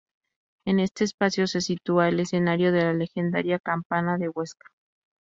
Es este espacio se sitúa el escenario de la legendaria "Campana de Huesca".